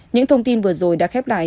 những thông tin vừa rồi đã khép lại